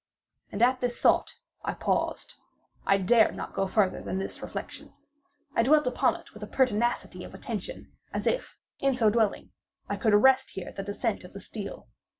And at this thought I paused. I dared not go farther than this reflection. I dwelt upon it with a pertinacity of attention—as if, in so dwelling, I could arrest here the descent of the steel.